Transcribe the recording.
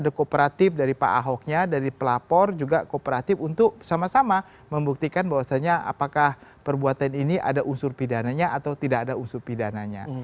ada kooperatif dari pak ahoknya dari pelapor juga kooperatif untuk sama sama membuktikan bahwasannya apakah perbuatan ini ada unsur pidananya atau tidak ada unsur pidananya